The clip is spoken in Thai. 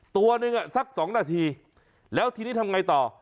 ตัวหนึ่งสัก๒นาทีแล้วทีนี้ทำไงต่อ